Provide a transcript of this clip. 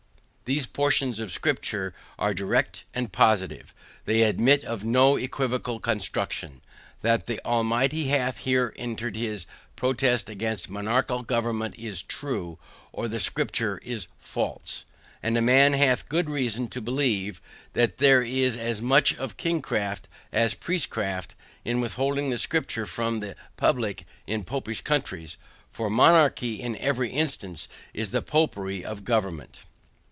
These portions of scripture are direct and positive. They admit of no equivocal construction. That the Almighty hath here entered his protest against monarchical government is true, or the scripture is false. And a man hath good reason to believe that there is as much of king craft, as priest craft, in withholding the scripture from the public in Popish countries. For monarchy in every instance is the Popery of government.